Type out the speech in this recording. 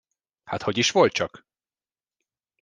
Hát hogy is volt csak?